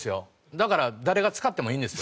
だから誰が使ってもいいんです。